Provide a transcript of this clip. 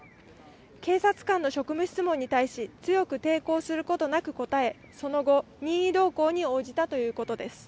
警察官の職務質問に対し強く抵抗することなく答え、その後、任意同行に応じたということです。